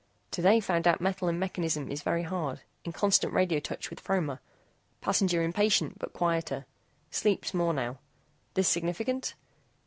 TODAY FOUND OUT METAL IN MECHANISM IS VERY HARD. IN CONSTANT RADIO TOUCH WITH FROMER. PASSENGER IMPATIENT BUT QUIETER. SLEEPS MORE NOW. THIS SIGNIFICANT?